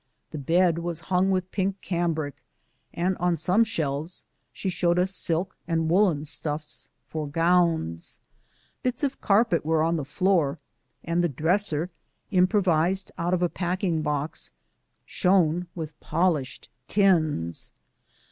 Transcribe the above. The bed was hung with pink cambric, and on some shelves she showed us silk and woollen stuffs for gowns ; bits of carpet were on the floor, and the dresser, improvised out of a packing box, shone with polished tins.